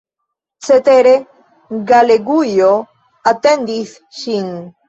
Cetere, Galegujo atendis ŝin.